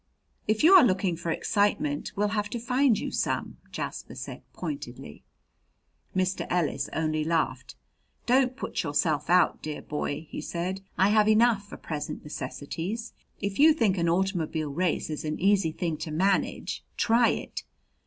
"If you are looking for excitement, we'll have to find you some," Jasper said pointedly. Mr. Ellis only laughed. "Don't put yourself out, dear boy," he said. "I have enough for present necessities. If you think an automobile race is an easy thing to manage, try it.